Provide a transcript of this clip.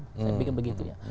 saya pikir begitu ya